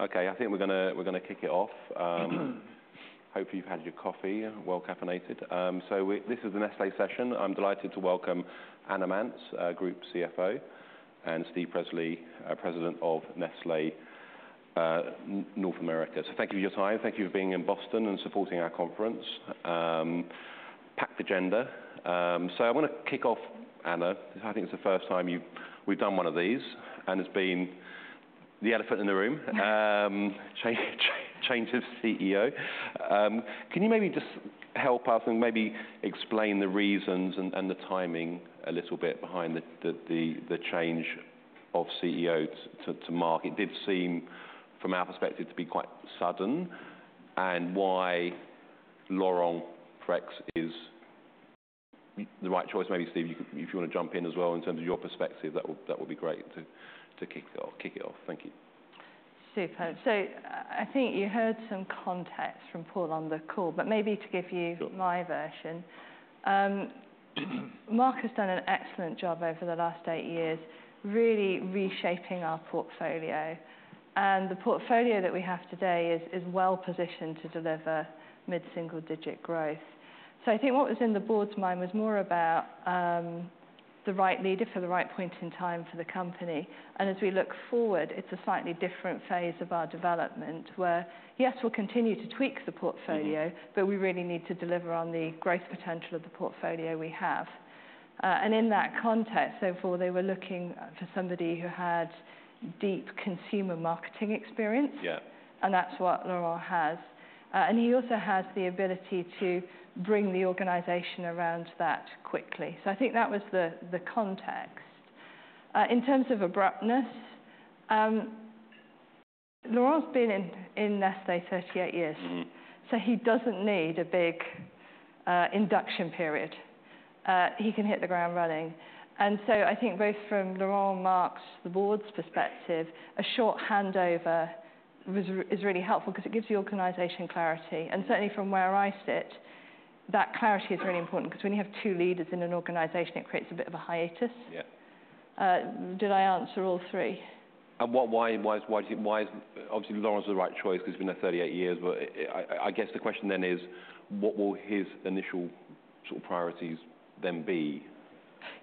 Okay, I think we're gonna, we're gonna kick it off. Hope you've had your coffee and well-caffeinated. So, this is the Nestlé session. I'm delighted to welcome Anna Manz, our Group CFO, and Steve Presley, our President of Nestlé, North America. So thank you for your time. Thank you for being in Boston and supporting our conference. Packed agenda. So I wanna kick off, Anna. I think it's the first time we've done one of these, and it's been the elephant in the room. Change of CEO. Can you maybe just help us and maybe explain the reasons and the timing a little bit behind the change of CEO to Mark? It did seem, from our perspective, to be quite sudden, and why Laurent Freixe is the right choice. Maybe, Steve, you could if you wanna jump in as well in terms of your perspective, that would be great to kick it off. Thank you. Super. So I think you heard some context from Paul on the call, but maybe to give you- Sure... my version. Mark has done an excellent job over the last eight years, really reshaping our portfolio. The portfolio that we have today is well positioned to deliver mid-single-digit growth. I think what was in the board's mind was more about the right leader for the right point in time for the company. As we look forward, it's a slightly different phase of our development, where, yes, we'll continue to tweak the portfolio- Mm-hmm... but we really need to deliver on the growth potential of the portfolio we have, and in that context, therefore, they were looking for somebody who had deep consumer marketing experience. Yeah. That's what Laurent has. He also has the ability to bring the organization around that quickly. I think that was the context. In terms of abruptness, Laurent's been in Nestlé 38 years. Mm-hmm. So he doesn't need a big induction period. He can hit the ground running. And so I think both from Laurent, Mark's, the board's perspective, a short handover is really helpful because it gives the organization clarity. And certainly, from where I sit, that clarity is really important because when you have two leaders in an organization, it creates a bit of a hiatus. Yeah. Did I answer all three? Why do you think he's the right choice? Obviously, Laurent's the right choice because he's been there 38 years, but I guess the question then is: What will his initial sort of priorities be?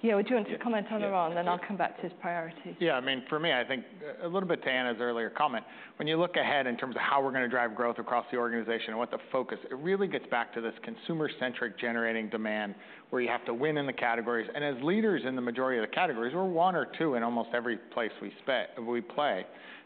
Yeah. Would you want to comment on Laurent, and then I'll come back to his priorities? Yeah, I mean, for me, I think a little bit to Anna's earlier comment, when you look ahead in terms of how we're gonna drive growth across the organization and what the focus, it really gets back to this consumer-centric generating demand, where you have to win in the categories. And as leaders in the majority of the categories, we're one or two in almost every place we play,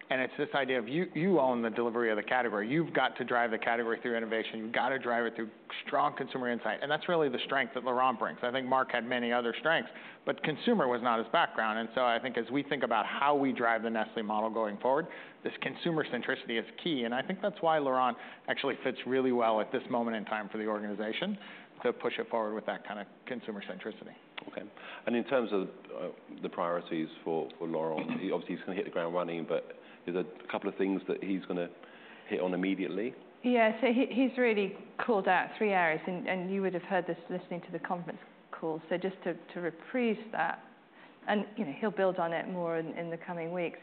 and it's this idea of you own the delivery of the category. You've got to drive the category through innovation. You've got to drive it through strong consumer insight, and that's really the strength that Laurent brings. I think Mark had many other strengths, but consumer was not his background. And so I think as we think about how we drive the Nestlé model going forward, this consumer centricity is key. I think that's why Laurent actually fits really well at this moment in time for the organization, to push it forward with that kind of consumer centricity. Okay. And in terms of the priorities for Laurent, he obviously is gonna hit the ground running, but is there a couple of things that he's gonna hit on immediately? Yeah. So he, he's really called out three areas, and you would have heard this listening to the conference call. So just to reprise that, and you know, he'll build on it more in the coming weeks.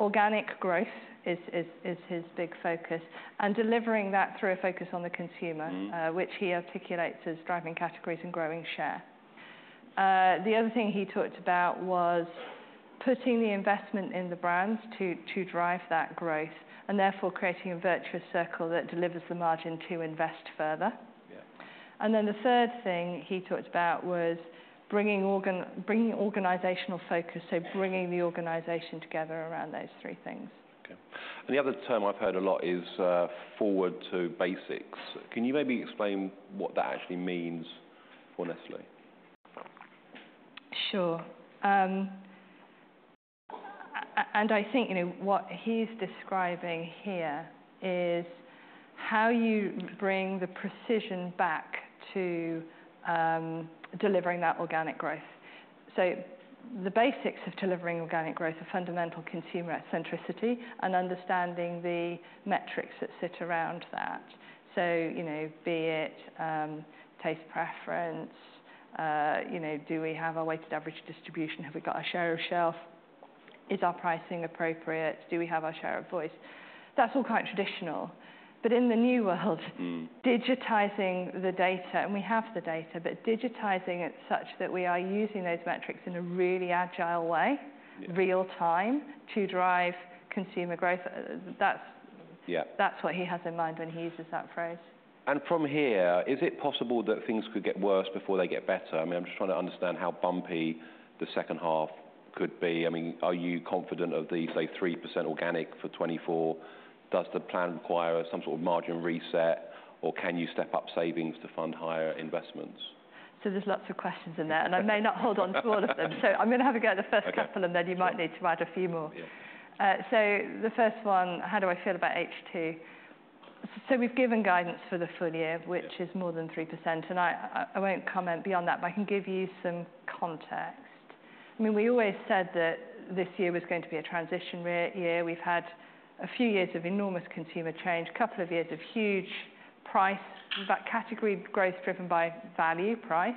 Organic growth is his big focus and delivering that through a focus on the consumer- Mm-hmm... which he articulates as driving categories and growing share. The other thing he talked about was putting the investment in the brands to drive that growth and therefore, creating a virtuous circle that delivers the margin to invest further. Yeah. And then the third thing he talked about was bringing organizational focus, so bringing the organization together around those three things. Okay. And the other term I've heard a lot is, forward to basics. Can you maybe explain what that actually means for Nestlé? Sure. And I think, you know, what he's describing here is how you bring the precision back to delivering that organic growth. So the basics of delivering organic growth are fundamental consumer centricity and understanding the metrics that sit around that. So, you know, be it taste preference, you know, do we have a weighted average distribution? Have we got our share of shelf? Is our pricing appropriate? Do we have our share of voice? That's all quite traditional, but in the new world- Mm... digitizing the data, and we have the data, but digitizing it such that we are using those metrics in a really agile way- Yeah... real time, to drive consumer growth. That's- Yeah... that's what he has in mind when he uses that phrase. From here, is it possible that things could get worse before they get better? I mean, I'm just trying to understand how bumpy the second half could be. I mean, are you confident of the, say, 3% organic for 2024? Does the plan require some sort of margin reset, or can you step up savings to fund higher investments? So there's lots of questions in there... and I may not hold on to all of them, so I'm gonna have a go at the first couple. Okay... and then you might need to add a few more. Yeah. So the first one, how do I feel about H2? So we've given guidance for the full year- Yeah... which is more than 3%, and I, I won't comment beyond that, but I can give you some context. I mean, we always said that this year was going to be a transition year. We've had a few years of enormous consumer change, couple of years of huge price, but category growth driven by value, price,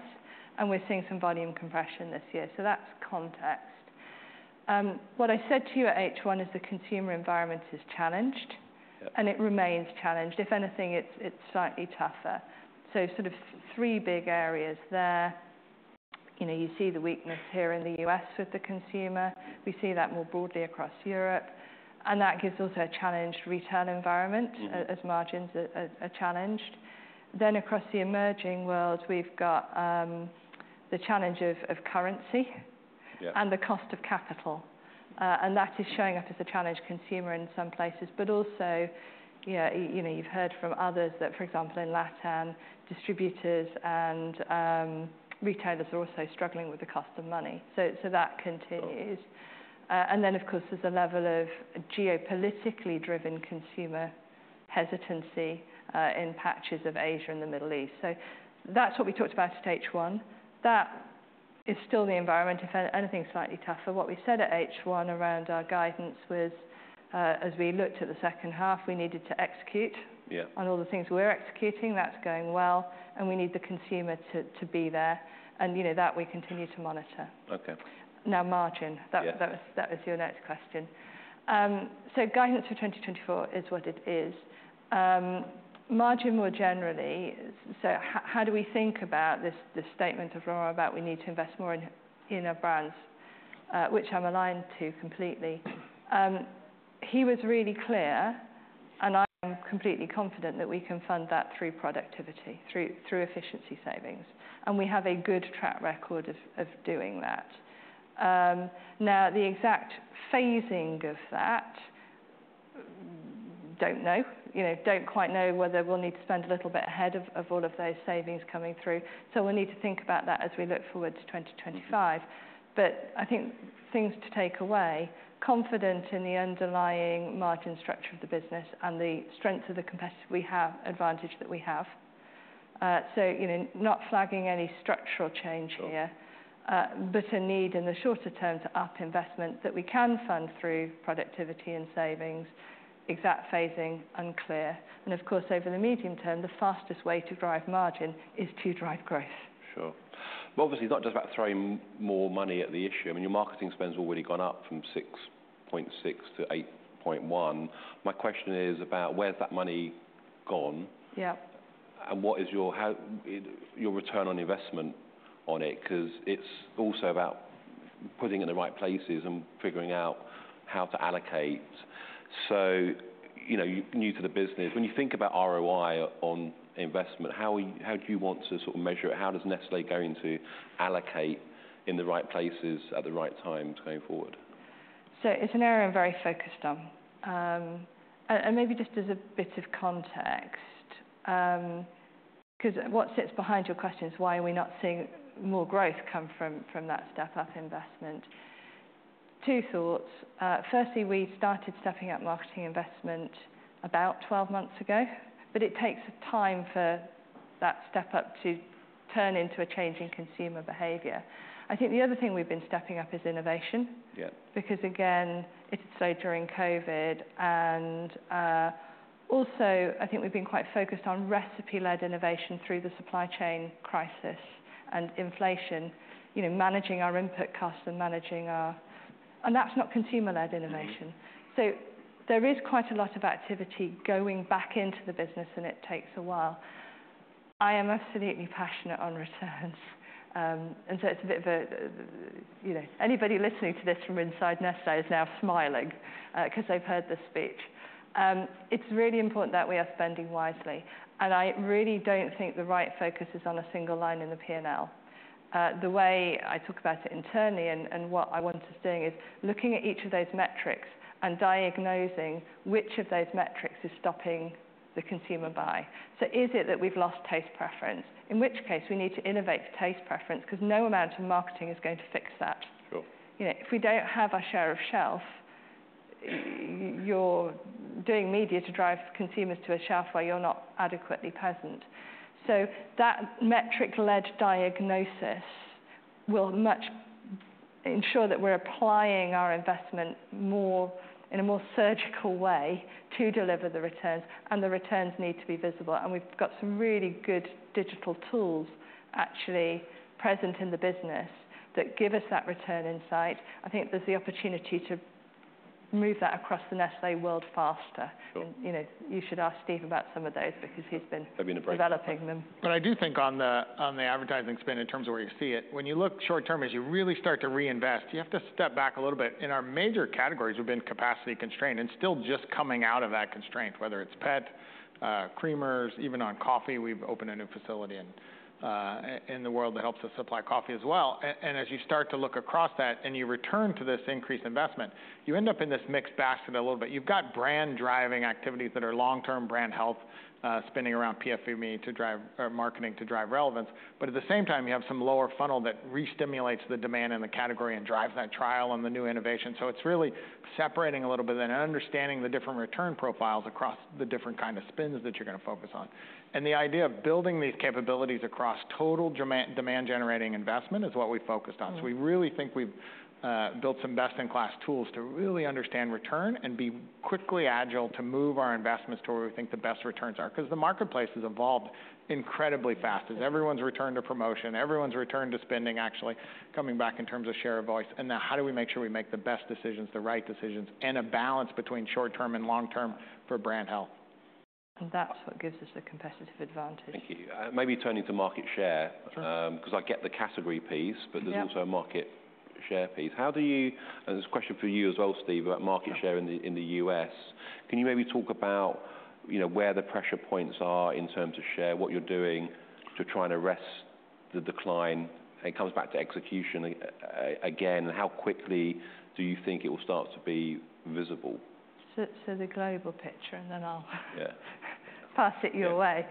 and we're seeing some volume compression this year. So that's context. What I said to you at H1 is the consumer environment is challenged- Yeah. and it remains challenged. If anything, it's slightly tougher. So sort of three big areas there. You know, you see the weakness here in the U.S. with the consumer. We see that more broadly across Europe, and that gives also a challenged retail environment- Mm. as margins are challenged. Then across the emerging world, we've got the challenge of currency- Yeah and the cost of capital. That is showing up as a challenged consumer in some places. But also, yeah, you know, you've heard from others that, for example, in LatAm, distributors and retailers are also struggling with the cost of money. So that continues. Sure. And then, of course, there's a level of geopolitically driven consumer hesitancy, in patches of Asia and the Middle East. So that's what we talked about at H1. That is still the environment. If anything, slightly tougher. What we said at H1 around our guidance was, as we looked at the second half, we needed to execute- Yeah on all the things we're executing, that's going well, and we need the consumer to be there, and you know that we continue to monitor. Okay. Now, margin. Yeah. That was your next question. So guidance for 2024 is what it is. Margin more generally, so how do we think about this statement of Ulf about we need to invest more in our brands, which I'm aligned to completely? He was really clear, and I'm completely confident that we can fund that through productivity, through efficiency savings, and we have a good track record of doing that. Now, the exact phasing of that, don't know. You know, don't quite know whether we'll need to spend a little bit ahead of all of those savings coming through, so we'll need to think about that as we look forward to 2025. Mm-hmm. But I think things to take away: confident in the underlying margin structure of the business and the strength of the competitive advantage we have. So, you know, not flagging any structural change here. Sure. But a need in the shorter term to up investment that we can fund through productivity and savings. Exact phasing unclear. And of course, over the medium term, the fastest way to drive margin is to drive growth. Sure. Well, obviously, it's not just about throwing more money at the issue. I mean, your marketing spend's already gone up from 6.6 to 8.1. My question is about where's that money gone? Yeah. What is your return on investment on it? 'Cause it's also about putting it in the right places and figuring out how to allocate. You know, you're new to the business. When you think about ROI on investment, how do you want to sort of measure it? How does Nestlé going to allocate in the right places at the right times going forward? So it's an area I'm very focused on. And maybe just as a bit of context, 'cause what sits behind your question is, why are we not seeing more growth come from that step-up investment? Two thoughts. Firstly, we started stepping up marketing investment about 12 months ago, but it takes time for that step up to turn into a change in consumer behavior. I think the other thing we've been stepping up is innovation. Yeah. Because, again, it slowed during COVID, and, also, I think we've been quite focused on recipe-led innovation through the supply chain crisis and inflation. You know, managing our input costs and managing our... And that's not consumer-led innovation. Mm-hmm. There is quite a lot of activity going back into the business, and it takes a while. I am absolutely passionate on returns, and so it's a bit of a, you know, anybody listening to this from inside Nestlé is now smiling, 'cause they've heard this speech. It's really important that we are spending wisely, and I really don't think the right focus is on a single line in the P&L. The way I talk about it internally and, and what I want us doing is looking at each of those metrics and diagnosing which of those metrics is stopping the consumer buy. So is it that we've lost taste preference? In which case, we need to innovate to taste preference, 'cause no amount of marketing is going to fix that. Sure. You know, if we don't have our share of shelf, you're doing media to drive consumers to a shelf where you're not adequately present. So that metric-led diagnosis will much ensure that we're applying our investment more... in a more surgical way to deliver the returns, and the returns need to be visible. And we've got some really good digital tools actually present in the business that give us that return insight. I think there's the opportunity to move that across the Nestlé world faster. Sure. And you know, you should ask Steve about some of those, because he's been- That'd be great. developing them. But I do think on the advertising spend, in terms of where you see it, when you look short term, as you really start to reinvest, you have to step back a little bit. In our major categories, we've been capacity constrained and still just coming out of that constraint, whether it's pet, creamers, even on coffee, we've opened a new facility in the world that helps us supply coffee as well. And as you start to look across that and you return to this increased investment, you end up in this mixed basket a little bit. You've got brand-driving activities that are long-term brand health, spinning around PFME to drive marketing, to drive relevance. But at the same time, you have some lower funnel that re-stimulates the demand in the category and drives that trial and the new innovation. It's really separating a little bit and understanding the different return profiles across the different kind of spends that you're going to focus on. The idea of building these capabilities across total demand-generating investment is what we focused on. Mm. So we really think we've built some best-in-class tools to really understand return and be quickly agile to move our investments to where we think the best returns are. 'Cause the marketplace has evolved incredibly fast as everyone's returned to promotion, everyone's returned to spending, actually coming back in terms of share of voice, and now how do we make sure we make the best decisions, the right decisions, and a balance between short-term and long-term for brand health?... and that's what gives us the competitive advantage. Thank you. Maybe turning to market share, 'cause I get the category piece- Yeah. - but there's also a market share piece. How do you, and this question for you as well, Steve, about market share in the U.S. Can you maybe talk about, you know, where the pressure points are in terms of share? What you're doing to try and arrest the decline? And it comes back to execution, again, and how quickly do you think it will start to be visible? So, the global picture, and then I'll - Yeah... pass it your way.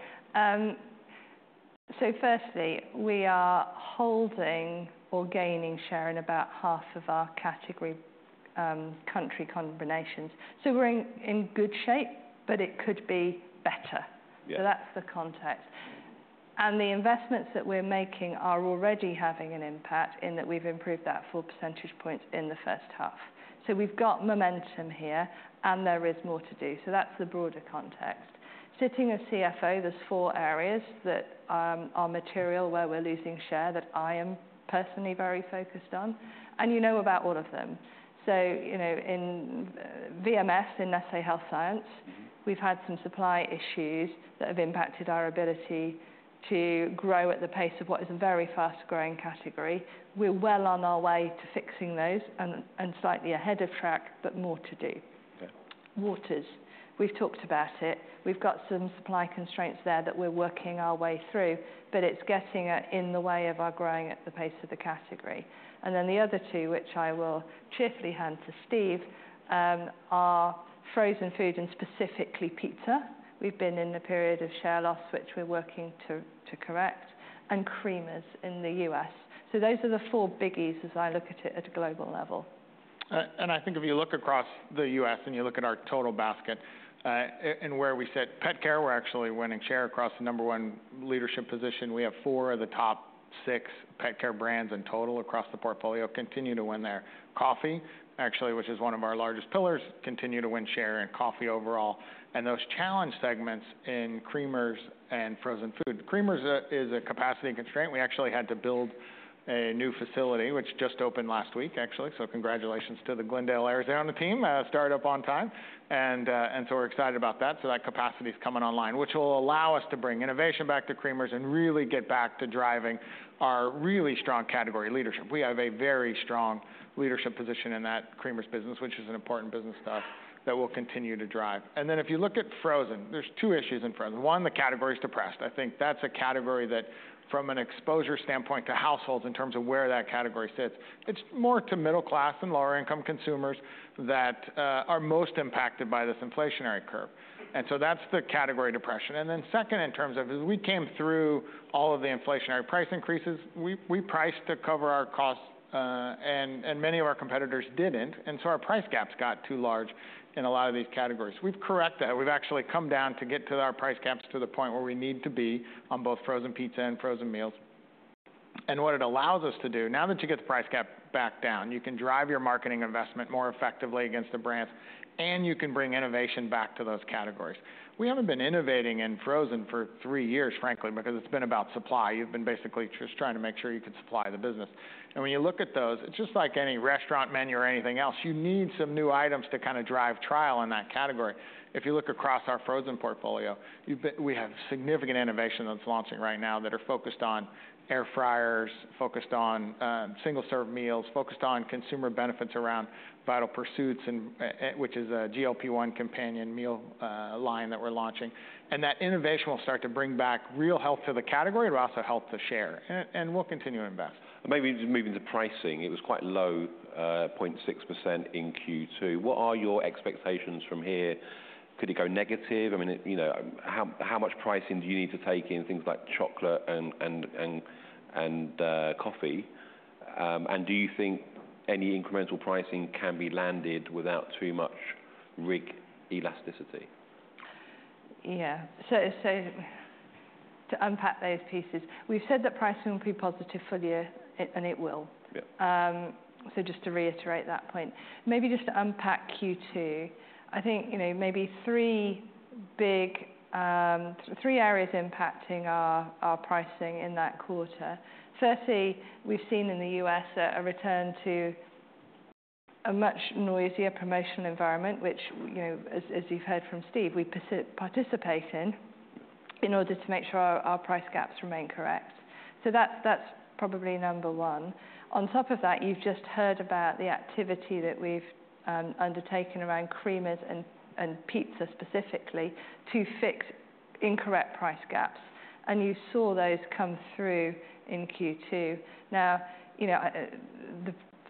So firstly, we are holding or gaining share in about half of our category, country combinations. So we're in good shape, but it could be better. Yeah. So that's the context. And the investments that we're making are already having an impact in that we've improved that full percentage point in the first half. So we've got momentum here, and there is more to do. So that's the broader context. Sitting as CFO, there's four areas that are material where we're losing share, that I am personally very focused on, and you know about all of them. So, you know, in VMS, in Nestlé Health Science- Mm-hmm... we've had some supply issues that have impacted our ability to grow at the pace of what is a very fast-growing category. We're well on our way to fixing those and slightly ahead of track, but more to do. Yeah. Waters, we've talked about it. We've got some supply constraints there that we're working our way through, but it's getting in the way of our growing at the pace of the category. And then the other two, which I will cheerfully hand to Steve, are frozen food and specifically pizza. We've been in the period of share loss, which we're working to correct, and creamers in the U.S. So those are the four biggies as I look at it at a global level. And I think if you look across the U.S. and you look at our total basket, and where we sit, pet care, we're actually winning share across the number one leadership position. We have four of the top six pet care brands in total across the portfolio, continue to win there. Coffee, actually, which is one of our largest pillars, continue to win share in coffee overall. And those challenge segments in creamers and frozen food. Creamers is a capacity constraint. We actually had to build a new facility, which just opened last week, actually. So congratulations to the Glendale, Arizona, team, started up on time. And so we're excited about that. So that capacity is coming online, which will allow us to bring innovation back to creamers and really get back to driving our really strong category leadership. We have a very strong leadership position in that creamers business, which is an important business stuff that we'll continue to drive. And then if you look at frozen, there's two issues in frozen. One, the category is depressed. I think that's a category that from an exposure standpoint to households in terms of where that category sits, it's more to middle class and lower income consumers that are most impacted by this inflationary curve. And so that's the category depression. And then second, in terms of as we came through all of the inflationary price increases, we priced to cover our costs, and many of our competitors didn't, and so our price gaps got too large in a lot of these categories. We've corrected that. We've actually come down to get to our price gaps to the point where we need to be on both frozen pizza and frozen meals. And what it allows us to do, now that you get the price gap back down, you can drive your marketing investment more effectively against the brands, and you can bring innovation back to those categories. We haven't been innovating in frozen for three years, frankly, because it's been about supply. You've been basically just trying to make sure you can supply the business. And when you look at those, it's just like any restaurant menu or anything else, you need some new items to kind of drive trial in that category. If you look across our frozen portfolio, we have significant innovation that's launching right now that are focused on air fryers, focused on single-serve meals, focused on consumer benefits around Vital Pursuits and which is a GLP-1 companion meal line that we're launching. And that innovation will start to bring back real health to the category, it will also help the share, and we'll continue to invest. Maybe just moving to pricing. It was quite low, 0.6% in Q2. What are your expectations from here? Could it go negative? I mean, you know, how much pricing do you need to take in things like chocolate and coffee? And do you think any incremental pricing can be landed without too much RIG elasticity? Yeah. So to unpack those pieces, we've said that pricing will be positive full year, it, and it will. Yeah. So just to reiterate that point. Maybe just to unpack Q2, I think, you know, maybe three big areas impacting our pricing in that quarter. Firstly, we've seen in the U.S., a return to a much noisier promotional environment, which, you know, as you've heard from Steve, we participate in order to make sure our price gaps remain correct. So that's probably number one. On top of that, you've just heard about the activity that we've undertaken around creamers and pizza specifically to fix incorrect price gaps. And you saw those come through in Q2. Now, you know,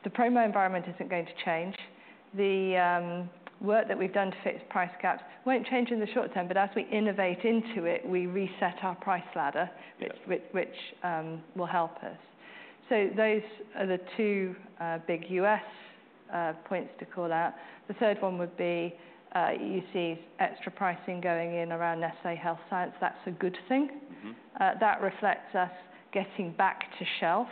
the promo environment isn't going to change. The work that we've done to fix price gaps won't change in the short term, but as we innovate into it, we reset our price ladder. Yeah... which will help us. So those are the two big U.S. points to call out. The third one would be, you see extra pricing going in around Nestlé Health Science. That's a good thing. Mm-hmm. That reflects us getting back to shelf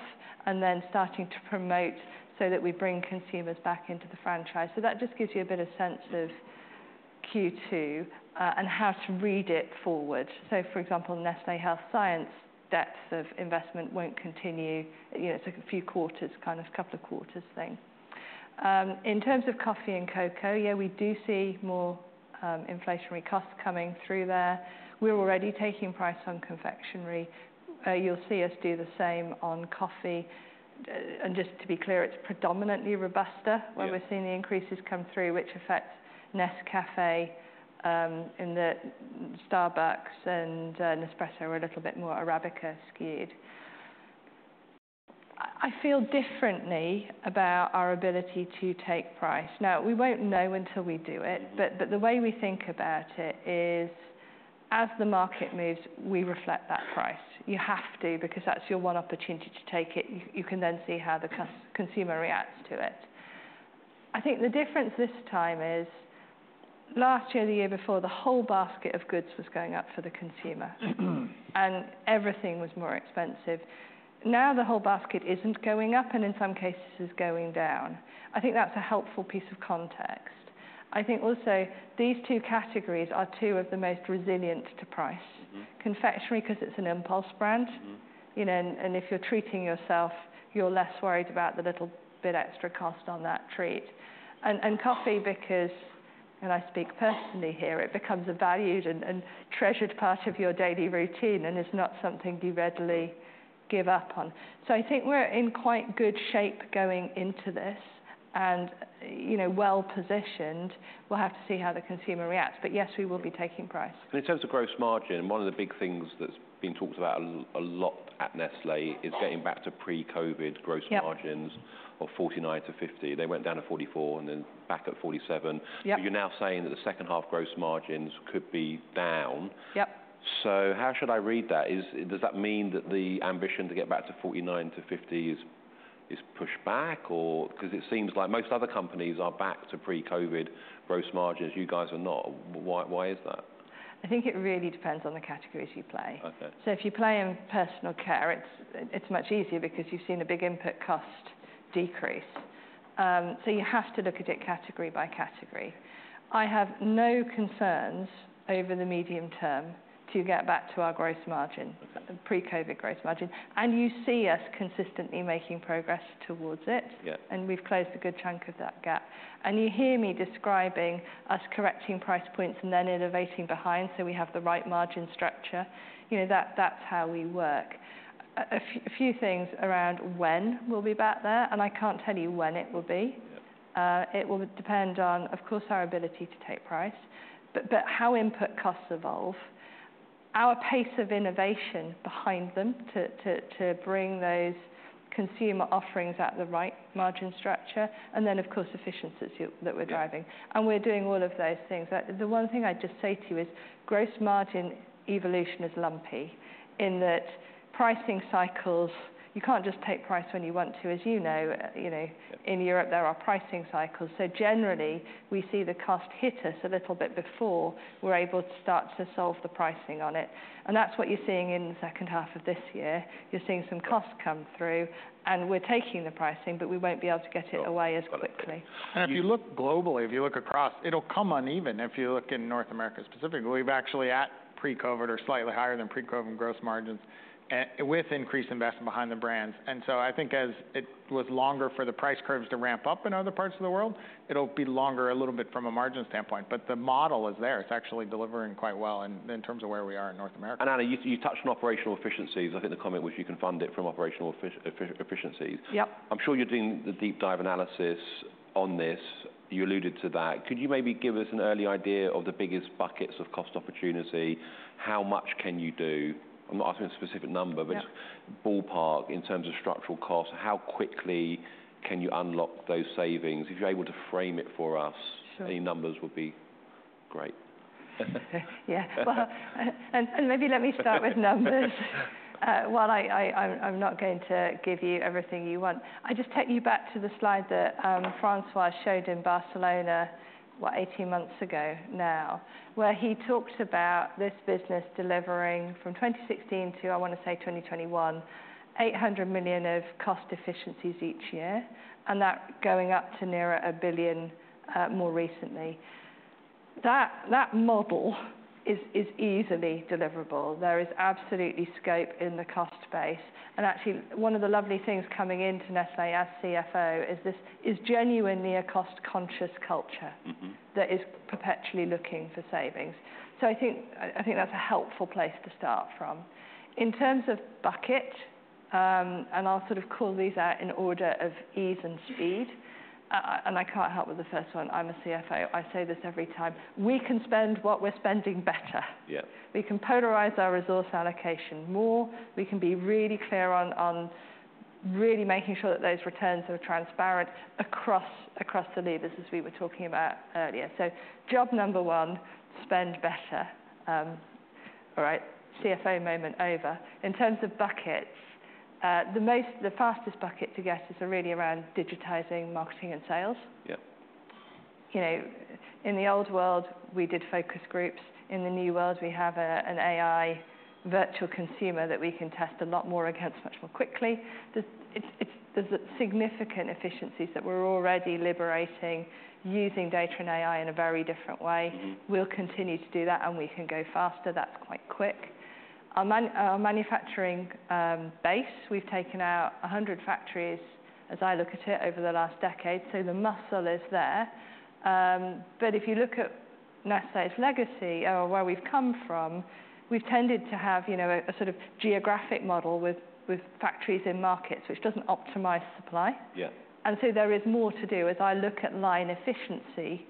and then starting to promote so that we bring consumers back into the franchise. So that just gives you a bit of sense of Q2, and how to read it forward. So for example, Nestlé Health Science, depth of investment won't continue. You know, it's like a few quarters, kind of a couple of quarters thing. In terms of coffee and cocoa, yeah, we do see more inflationary costs coming through there. We're already taking price on confectionery. You'll see us do the same on coffee. And just to be clear, it's predominantly Robusta. Yeah - where we're seeing the increases come through, which affects Nescafé, and the Starbucks and Nespresso are a little bit more Arabica skewed. I feel differently about our ability to take price. Now, we won't know until we do it. Mm-hmm. The way we think about it is, as the market moves, we reflect that price. You have to, because that's your one opportunity to take it. You can then see how the consumer reacts to it. I think the difference this time is, last year, the year before, the whole basket of goods was going up for the consumer. Mm-hmm. Everything was more expensive. Now, the whole basket isn't going up, and in some cases, is going down. I think that's a helpful piece of context. I think also, these two categories are two of the most resilient to price. Mm-hmm. Confectionery, 'cause it's an impulse brand. Mm-hmm. You know, if you're treating yourself, you're less worried about the little bit extra cost on that treat, and coffee, because I speak personally here, it becomes a valued and treasured part of your daily routine, and it's not something you readily give up on, so I think we're in quite good shape going into this and, you know, well positioned. We'll have to see how the consumer reacts, but yes, we will be taking price. And in terms of gross margin, one of the big things that's been talked about a lot at Nestlé is getting back to pre-COVID gross margins. Yep... of 49 to 50. They went down to 44 and then back up to 47. Yep. But you're now saying that the second half gross margins could be down. Yep. How should I read that? Is, does that mean that the ambition to get back to 49 to 50 is pushed back or? 'Cause it seems like most other companies are back to pre-COVID gross margins, you guys are not. Why is that? I think it really depends on the categories you play. Okay. So if you play in personal care, it's much easier because you've seen a big input cost decrease. So you have to look at it category by category. I have no concerns over the medium term to get back to our gross margin, the pre-COVID gross margin, and you see us consistently making progress towards it. Yep. And we've closed a good chunk of that gap. And you hear me describing us correcting price points and then innovating behind, so we have the right margin structure. You know, that, that's how we work. A few things around when we'll be back there, and I can't tell you when it will be. Yep. It will depend on, of course, our ability to take price, but how input costs evolve, our pace of innovation behind them to bring those consumer offerings at the right margin structure, and then, of course, efficiencies that we're driving. Yep. And we're doing all of those things. The one thing I'd just say to you is, gross margin evolution is lumpy in that pricing cycles, you can't just take price when you want to. As you know, you know, in Europe, there are pricing cycles, so generally, we see the cost hit us a little bit before we're able to start to solve the pricing on it, and that's what you're seeing in the second half of this year. You're seeing some costs come through, and we're taking the pricing, but we won't be able to get it away as quickly. Sure. And if you look globally, if you look across, it'll come uneven. If you look in North America specifically, we're actually at pre-COVID or slightly higher than pre-COVID gross margins with increased investment behind the brands. And so I think as it was longer for the price curves to ramp up in other parts of the world, it'll be longer a little bit from a margin standpoint. But the model is there, it's actually delivering quite well in terms of where we are in North America. Anna, you touched on operational efficiencies. I think the comment was you can fund it from operational efficiencies. Yep. I'm sure you're doing the deep dive analysis on this. You alluded to that. Could you maybe give us an early idea of the biggest buckets of cost opportunity? How much can you do? I'm not asking a specific number- Yep... but ballpark in terms of structural cost, how quickly can you unlock those savings? If you're able to frame it for us- Sure... any numbers would be great. Yeah, well, and maybe let me start with numbers. While I'm not going to give you everything you want, I'll just take you back to the slide that François showed in Barcelona, what, eighteen months ago now, where he talked about this business delivering from 2016 to, I want to say, 2021, 800 million of cost efficiencies each year, and that going up to nearer 1 billion more recently. That model is easily deliverable. There is absolutely scope in the cost base, and actually, one of the lovely things coming into Nestlé as CFO is this is genuinely a cost-conscious culture- Mm-hmm... that is perpetually looking for savings. So I think that's a helpful place to start from. In terms of bucket, and I'll sort of call these out in order of ease and speed, and I can't help with the first one, I'm a CFO, I say this every time: We can spend what we're spending better. Yep. We can polarize our resource allocation more. We can be really clear on really making sure that those returns are transparent across the levers, as we were talking about earlier. So job number one, spend better. All right, CFO moment over. In terms of buckets, the most, the fastest bucket to get is really around digitizing marketing and sales. Yep. You know, in the old world, we did focus groups. In the new world, we have an AI virtual consumer that we can test a lot more against, much more quickly. It's. There's significant efficiencies that we're already liberating using data and AI in a very different way. Mm-hmm. We'll continue to do that, and we can go faster. That's quite quick. Our manufacturing base, we've taken out 100 factories, as I look at it, over the last decade, so the muscle is there. But if you look at Nestlé's legacy or where we've come from, we've tended to have, you know, a sort of geographic model with factories in markets, which doesn't optimize supply. Yeah. And so there is more to do. As I look at line efficiency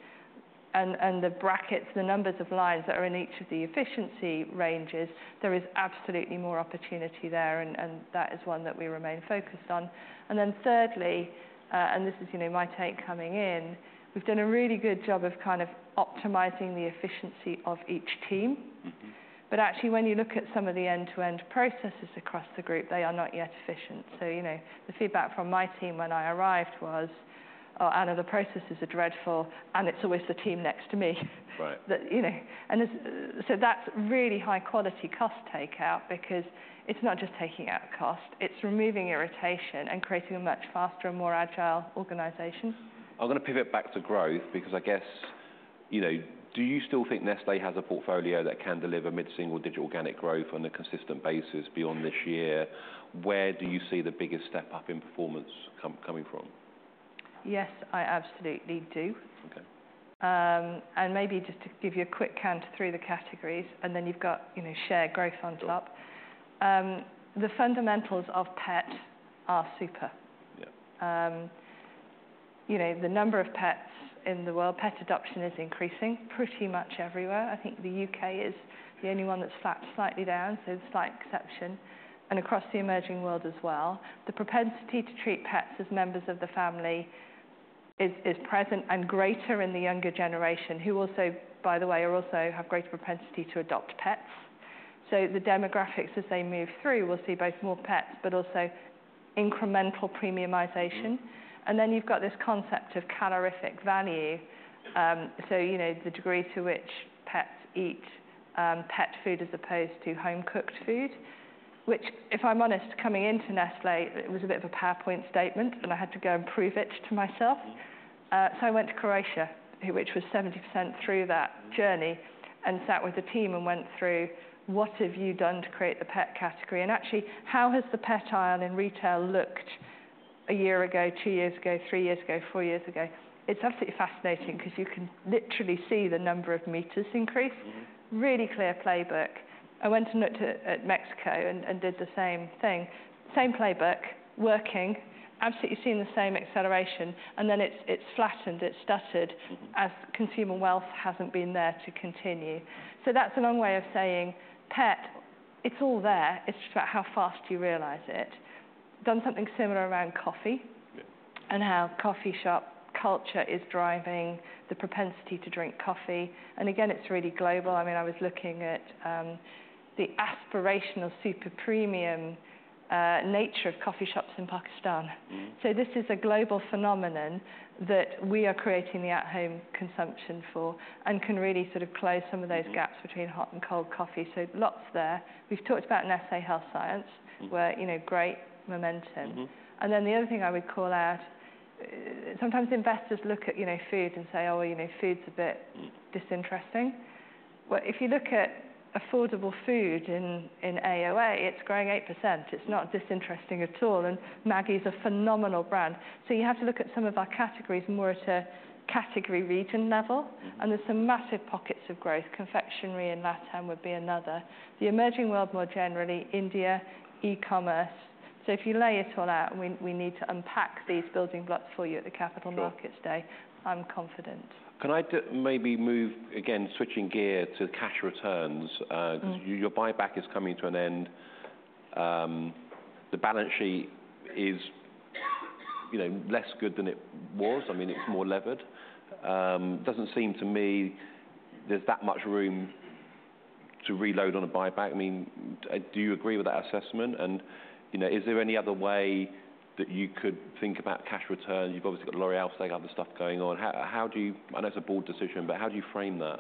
and the brackets, the numbers of lines that are in each of the efficiency ranges, there is absolutely more opportunity there, and that is one that we remain focused on. And then thirdly, and this is, you know, my take coming in, we've done a really good job of kind of optimizing the efficiency of each team. Mm-hmm. But actually, when you look at some of the end-to-end processes across the group, they are not yet efficient. So, you know, the feedback from my team when I arrived was, "Oh, Anna, the processes are dreadful, and it's always the team next to me. Right. That, you know, and it's so that's really high-quality cost takeout because it's not just taking out cost, it's removing irritation and creating a much faster and more agile organization. I'm gonna pivot back to growth because I guess, you know, do you still think Nestlé has a portfolio that can deliver mid-single-digit organic growth on a consistent basis beyond this year? Where do you see the biggest step-up in performance coming from? Yes, I absolutely do. Okay. and maybe just to give you a quick count through the categories, and then you've got, you know, share growth on top. Sure. The fundamentals of pet are super. Yeah. You know, the number of pets in the world, pet adoption is increasing pretty much everywhere. I think the U.K. is the only one that's flat slightly down, so slight exception, and across the emerging world as well. The propensity to treat pets as members of the family is present and greater in the younger generation, who also, by the way, also have greater propensity to adopt pets. So the demographics, as they move through, will see both more pets, but also incremental premiumization. Mm. And then you've got this concept of calorific value. So, you know, the degree to which pets eat pet food as opposed to home-cooked food, which, if I'm honest, coming into Nestlé, it was a bit of a PowerPoint statement, and I had to go and prove it to myself. So I went to Croatia, which was 70% through that journey, and sat with the team and went through, "What have you done to create the pet category? And actually, how has the pet aisle in retail looked one year ago, two years ago, three years ago, four years ago?" It's absolutely fascinating because you can literally see the number of meters increase. Mm. Really clear playbook. I went and looked at Mexico and did the same thing. Same playbook, working, absolutely seeing the same acceleration, and then it's flattened, it's stuttered- Mm-hmm... as consumer wealth hasn't been there to continue. So that's a long way of saying, pet, it's all there, it's just about how fast you realize it. Done something similar around coffee- Yeah... and how coffee shop culture is driving the propensity to drink coffee. And again, it's really global. I mean, I was looking at, the aspirational super premium, nature of coffee shops in Pakistan. Mm. So this is a global phenomenon that we are creating the at-home consumption for and can really sort of close some- Mm... of those gaps between hot and cold coffee. So lots there. We've talked about Nestlé Health Science- Mm... where, you know, great momentum. Mm-hmm. And then the other thing I would call out, sometimes investors look at, you know, food and say, "Oh, you know, food's a bit disinteresting." But if you look at affordable food in AOA, it's growing 8%. It's not disinteresting at all, and Maggi is a phenomenal brand. So you have to look at some of our categories more at a category region level. Mm. There's some massive pockets of growth. Confectionery in LatAm would be another. The emerging world, more generally, India, e-commerce. If you lay it all out, we need to unpack these building blocks for you at the Capital Markets Day. Sure. I'm confident. Can I maybe move, again, switching gear to cash returns, Mm... your buyback is coming to an end. The balance sheet is, you know, less good than it was. I mean, it's more levered. Doesn't seem to me there's that much room to reload on a buyback. I mean, do you agree with that assessment? and, you know, is there any other way that you could think about cash returns? You've obviously got L'Oréal, other stuff going on. How, how do you... I know it's a board decision, but how do you frame that?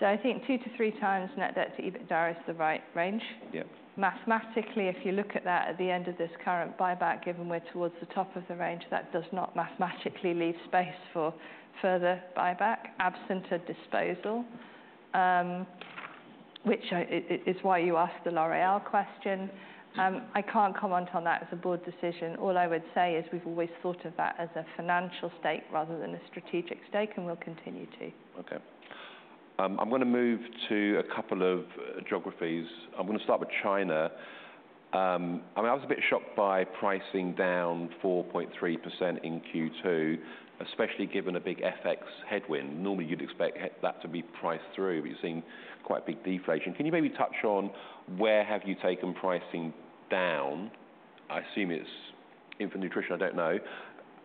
So I think 2x-3x net debt-to-EBITDA is the right range. Yeah. Mathematically, if you look at that at the end of this current buyback, given we're towards the top of the range, that does not mathematically leave space for further buyback, absent a disposal. Which is why you asked the L'Oréal question. I can't comment on that. It's a board decision. All I would say is we've always thought of that as a financial stake rather than a strategic stake, and we'll continue to. Okay. I'm gonna move to a couple of geographies. I'm gonna start with China. I mean, I was a bit shocked by pricing down 4.3% in Q2, especially given a big FX headwind. Normally, you'd expect that to be priced through, but you're seeing quite big deflation. Can you maybe touch on where have you taken pricing down? I assume it's infant nutrition, I don't know.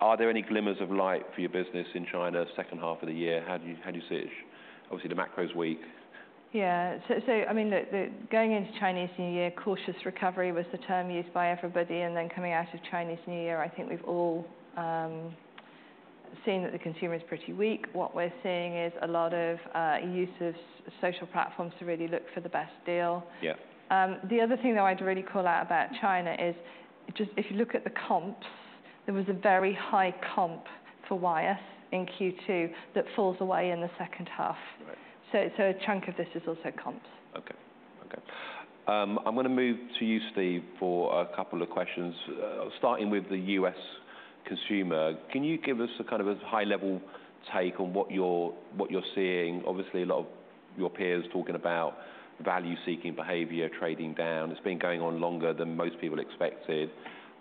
Are there any glimmers of light for your business in China, second half of the year? How do you, how do you see it? Obviously, the macro is weak. Yeah. So, I mean, going into Chinese New Year, cautious recovery was the term used by everybody, and then coming out of Chinese New Year, I think we've all seen that the consumer is pretty weak. What we're seeing is a lot of use of social platforms to really look for the best deal. Yeah. The other thing that I'd really call out about China is just if you look at the comps, there was a very high comp for Wyeth in Q2 that falls away in the second half. Right. So, a chunk of this is also comps. Okay. Okay. I'm gonna move to you, Steve, for a couple of questions, starting with the U.S. consumer. Can you give us a kind of a high-level take on what you're seeing? Obviously, a lot of your peers talking about value-seeking behavior, trading down. It's been going on longer than most people expected.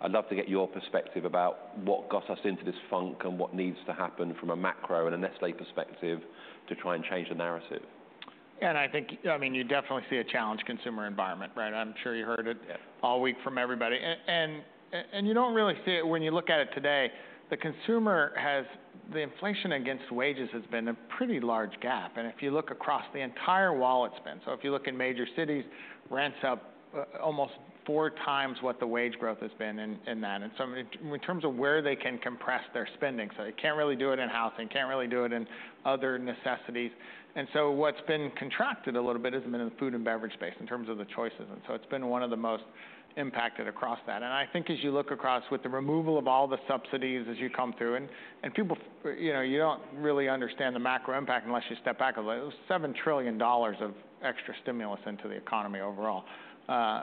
I'd love to get your perspective about what got us into this funk, and what needs to happen from a macro and a Nestlé perspective to try and change the narrative. I think, I mean, you definitely see a challenged consumer environment, right? I'm sure you heard it- Yes... all week from everybody, and you don't really see it when you look at it today. The inflation against wages has been a pretty large gap, and if you look across the entire wallet spend, so if you look in major cities, rent's up almost four times what the wage growth has been in that, so in terms of where they can compress their spending, they can't really do it in housing, can't really do it in other necessities. What's been contracted a little bit has been in the food and beverage space in terms of the choices, and it's been one of the most impacted across that. And I think as you look across, with the removal of all the subsidies as you come through, and people, you know, you don't really understand the macro impact unless you step back a little. $7 trillion of extra stimulus into the economy overall,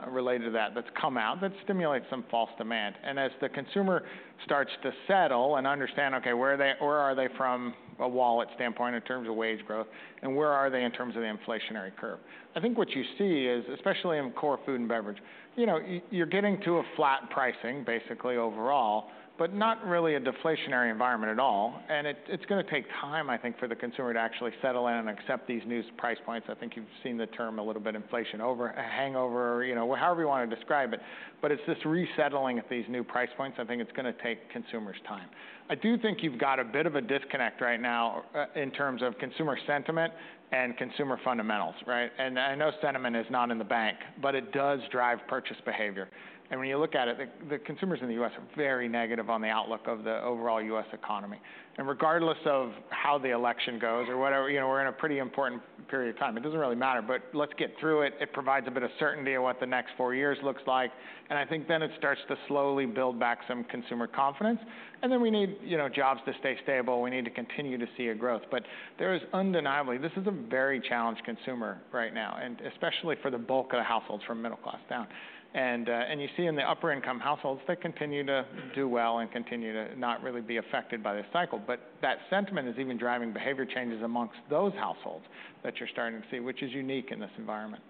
related to that, that's come out, that stimulates some false demand. And as the consumer starts to settle and understand, okay, where are they from a wallet standpoint in terms of wage growth, and where are they in terms of the inflationary curve? I think what you see is, especially in core food and beverage, you know, you're getting to a flat pricing, basically overall, but not really a deflationary environment at all. And it's gonna take time, I think, for the consumer to actually settle in and accept these new price points. I think you've seen the term a little bit, inflation overhang, you know, however you want to describe it, but it's this resettling at these new price points. I think it's gonna take consumers time. I do think you've got a bit of a disconnect right now in terms of consumer sentiment and consumer fundamentals, right? And I know sentiment is not in the bank, but it does drive purchase behavior. And when you look at it, the consumers in the U.S. are very negative on the outlook of the overall U.S. economy. And regardless of how the election goes or whatever, you know, we're in a pretty important period of time. It doesn't really matter, but let's get through it. It provides a bit of certainty of what the next four years looks like, and I think then it starts to slowly build back some consumer confidence. And then we need, you know, jobs to stay stable. We need to continue to see a growth. But there is undeniably this is a very challenged consumer right now, and especially for the bulk of the households from middle class down. And you see in the upper income households, they continue to do well and continue to not really be affected by the cycle. But that sentiment is even driving behavior changes amongst those households that you're starting to see, which is unique in this environment.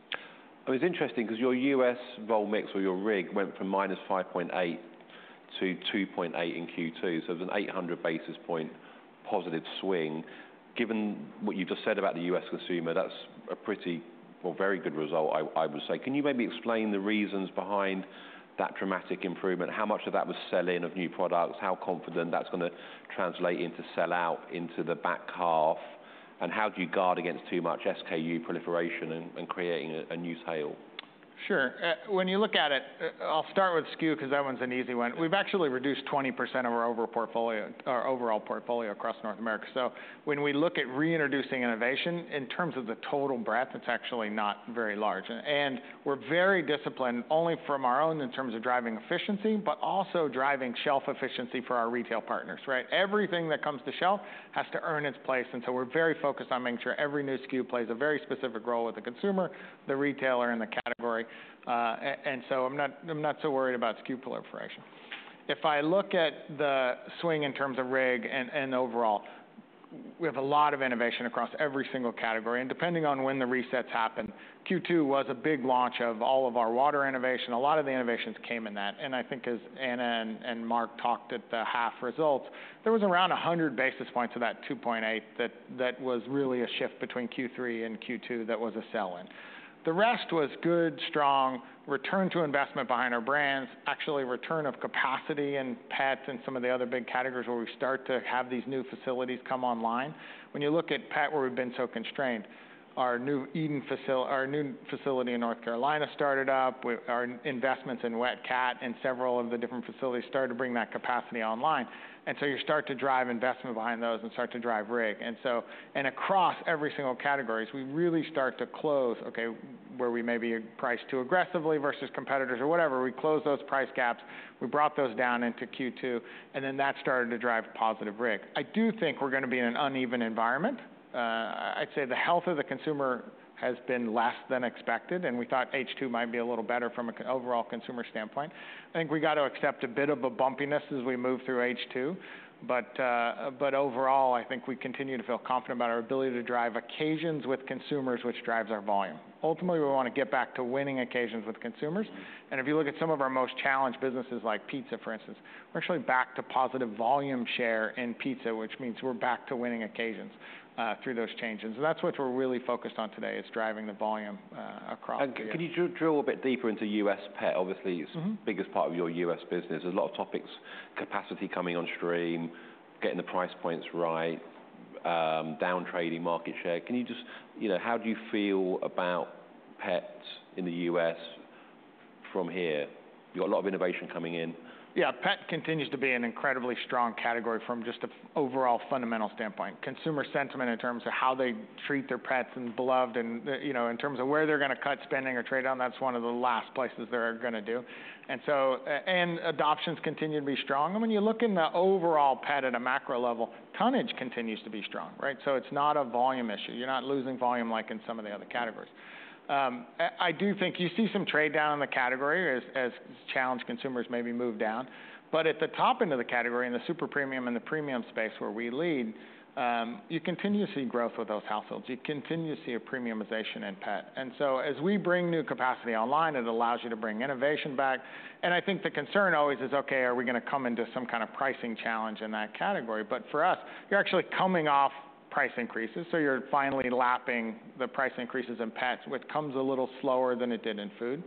It's interesting 'cause your U.S. vol mix or your RIG went from -5.8 to 2.8 in Q2, so there's an 800 basis point positive swing. Given what you've just said about the U.S. consumer, that's a pretty... or very good result, I, I would say. Can you maybe explain the reasons behind that dramatic improvement? How much of that was sell-in of new products? How confident that's gonna translate into sell-out into the back half? And how do you guard against too much SKU proliferation and creating a new tail? Sure. When you look at it, I'll start with SKU, 'cause that one's an easy one. We've actually reduced 20% of our overall portfolio across North America. So when we look at reintroducing innovation, in terms of the total breadth, it's actually not very large. And we're very disciplined, only from our own, in terms of driving efficiency, but also driving shelf efficiency for our retail partners, right? Everything that comes to shelf has to earn its place, and so we're very focused on making sure every new SKU plays a very specific role with the consumer, the retailer, and the category. And so I'm not, I'm not so worried about SKU proliferation. If I look at the swing in terms of RIG and overall, we have a lot of innovation across every single category, and depending on when the resets happen, Q2 was a big launch of all of our water innovation. A lot of the innovations came in that, and I think as Anna and Mark talked at the half results, there was around 100 basis points of that 2.8, that was really a shift between Q3 and Q2 that was a sell-in. The rest was good, strong return to investment behind our brands, actually return of capacity in pets and some of the other big categories where we start to have these new facilities come online. When you look at pet, where we've been so constrained, our new Eden facility in North Carolina started up, with our investments in wet cat and several of the different facilities started to bring that capacity online. And so you start to drive investment behind those and start to drive RIG. And so, and across every single categories, we really start to close, okay, where we maybe priced too aggressively versus competitors or whatever, we closed those price gaps. We brought those down into Q2, and then that started to drive positive RIG. I do think we're gonna be in an uneven environment. I'd say the health of the consumer has been less than expected, and we thought H2 might be a little better from an overall consumer standpoint. I think we got to accept a bit of a bumpiness as we move through H2, but, but overall, I think we continue to feel confident about our ability to drive occasions with consumers, which drives our volume. Ultimately, we want to get back to winning occasions with consumers, and if you look at some of our most challenged businesses, like pizza, for instance, we're actually back to positive volume share in pizza, which means we're back to winning occasions, through those changes. And that's what we're really focused on today, is driving the volume, across the year. Can you drill a bit deeper into U.S. pet? Obviously- Mm-hmm... it's the biggest part of your U.S. business. There's a lot of topics, capacity coming on stream, getting the price points right, down trading market share. Can you just, you know, how do you feel about pets in the U.S.?... from here, you've got a lot of innovation coming in? Yeah, pet continues to be an incredibly strong category from just the overall fundamental standpoint. Consumer sentiment in terms of how they treat their pets and beloved and, you know, in terms of where they're gonna cut spending or trade down, that's one of the last places they're gonna do. And so, and adoptions continue to be strong. And when you look in the overall pet at a macro level, tonnage continues to be strong, right? So it's not a volume issue. You're not losing volume like in some of the other categories. I do think you see some trade-down in the category as challenged consumers maybe move down. But at the top end of the category, in the super premium and the premium space where we lead, you continue to see growth with those households. You continue to see a premiumization in pet. As we bring new capacity online, it allows you to bring innovation back, and I think the concern always is, okay, are we gonna come into some kind of pricing challenge in that category? But for us, you're actually coming off price increases, so you're finally lapping the price increases in pets, which comes a little slower than it did in food.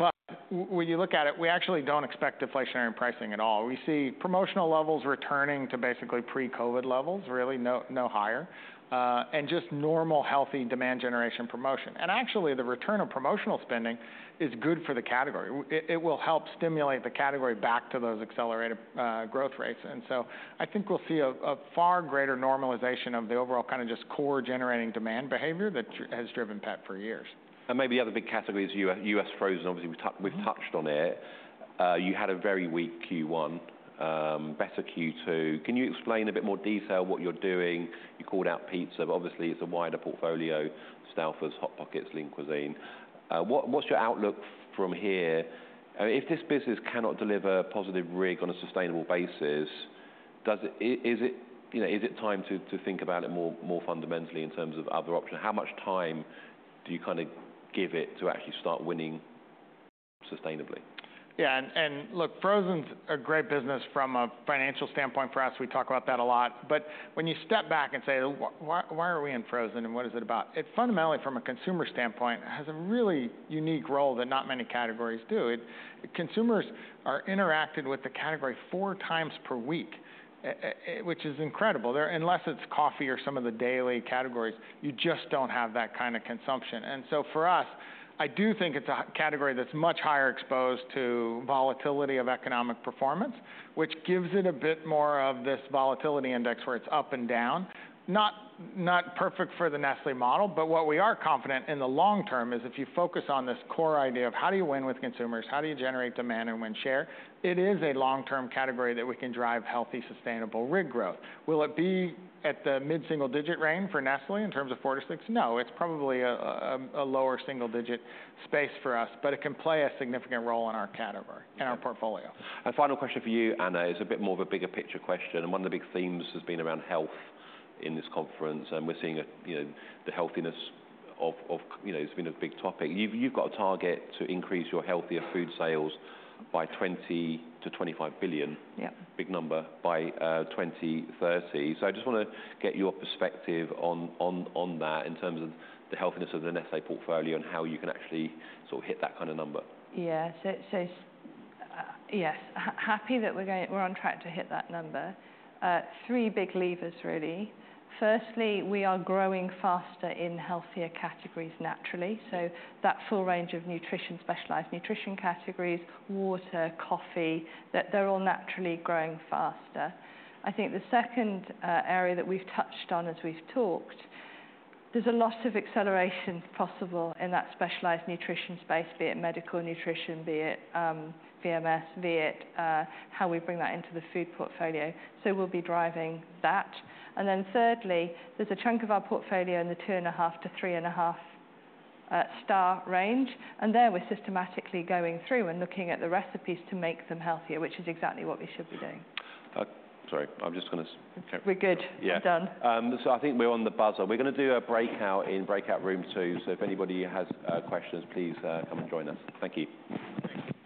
But when you look at it, we actually don't expect deflationary pricing at all. We see promotional levels returning to basically pre-COVID levels, really no, no higher, and just normal, healthy demand generation promotion. And actually, the return of promotional spending is good for the category. It will help stimulate the category back to those accelerated growth rates. And so I think we'll see a far greater normalization of the overall kind of just core generating demand behavior that has driven pet for years. And maybe the other big category is U.S. frozen. Obviously, we've tou- Mm-hmm... we've touched on it. You had a very weak Q1, better Q2. Can you explain a bit more detail what you're doing? You called out pizza, but obviously, it's a wider portfolio, Stouffer's, Hot Pockets, Lean Cuisine. What's your outlook from here? I mean, if this business cannot deliver positive RIG on a sustainable basis, does it, you know, is it time to think about it more fundamentally in terms of other options? How much time do you kind of give it to actually start winning sustainably? Yeah, and look, frozen's a great business from a financial standpoint. For us, we talk about that a lot. But when you step back and say, "Why, why are we in frozen, and what is it about?" It fundamentally, from a consumer standpoint, has a really unique role that not many categories do. Consumers are interacting with the category four times per week, which is incredible. Unless it's coffee or some of the daily categories, you just don't have that kind of consumption. And so for us, I do think it's a category that's much higher exposed to volatility of economic performance, which gives it a bit more of this volatility index, where it's up and down. Not, not perfect for the Nestlé model, but what we are confident in the long term is if you focus on this core idea of how do you win with consumers, how do you generate demand and win share, it is a long-term category that we can drive healthy, sustainable RIG growth. Will it be at the mid-single-digit range for Nestlé in terms of four to six? No. It's probably a lower single digit space for us, but it can play a significant role in our category, in our portfolio. A final question for you, Anna. It's a bit more of a bigger picture question, and one of the big themes has been around health in this conference, and we're seeing, you know, the healthiness of, you know, it's been a big topic. You've got a target to increase your healthier food sales by 20 billion-25 billion- Yep... big number by 2030. So I just wanna get your perspective on that in terms of the healthiness of the Nestlé portfolio and how you can actually sort of hit that kind of number. Yeah. So, yes, happy that we're going, we're on track to hit that number. Three big levers, really. Firstly, we are growing faster in healthier categories naturally, so that full range of nutrition, specialized nutrition categories, water, coffee, that they're all naturally growing faster. I think the second area that we've touched on as we've talked, there's a lot of acceleration possible in that specialized nutrition space, be it medical nutrition, be it VMS, be it how we bring that into the food portfolio, so we'll be driving that. And then thirdly, there's a chunk of our portfolio in the two and a half to three and a half star range, and there we're systematically going through and looking at the recipes to make them healthier, which is exactly what we should be doing. Sorry, I'm just gonna- We're good. Yeah. We're done. I think we're on the buzzer. We're gonna do a breakout in breakout room two, so if anybody has questions, please come and join us. Thank you.